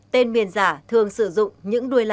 tên miền giả thường sử dụng những đuôi lạ